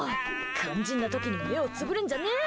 肝心な時に目をつむるんじゃねえ！